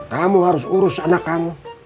kamu harus urus anak kamu